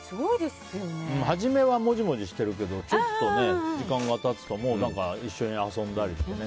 初めは、もじもじしてるけどちょっと時間が経つともう一緒に遊んだりとかね。